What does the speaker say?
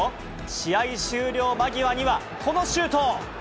試合終了間際には、このシュート。